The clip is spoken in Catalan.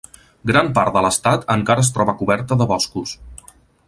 Gran part de l'estat encara es troba coberta de boscos.